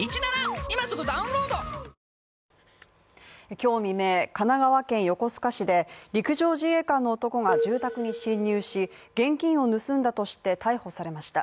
今日未明、神奈川県横須賀市で陸上自衛官の男が住宅に侵入し現金を盗んだとして、逮捕されました。